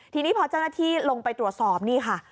ทีนี้พอเจ้าหน้าที่ลงไปตรวจสอบนี่ค่ะ